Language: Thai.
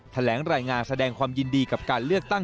แถลงรายงานแสดงความยินดีกับการเลือกตั้ง